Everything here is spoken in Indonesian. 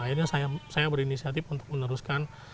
akhirnya saya berinisiatif untuk meneruskan